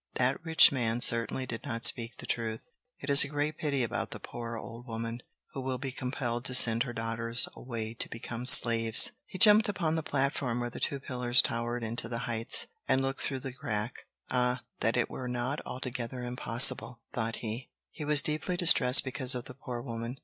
That rich man certainly did not speak the truth. It is a great pity about the poor old woman, who will be compelled to send her daughters away to become slaves! He jumped upon the platform where the two pillars towered into the heights, and looked through the crack. "Ah, that it were not altogether impossible!" thought he. He was deeply distressed because of the poor woman.